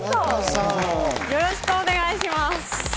よろしくお願いします。